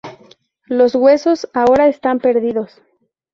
Los huesos ahora están perdidos.